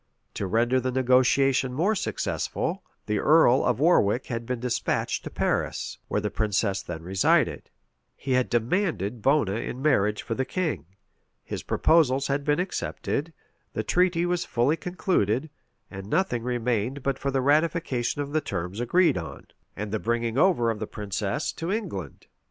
To render the negotiation more successful, the earl of Warwick had been despatched to Paris, where the princess then resided; he had demanded Bona in marriage for the king; his proposals had been accepted; the treaty was fully concluded; and nothing remained but the ratification of the terms agreed on, and the bringing over the princess to England.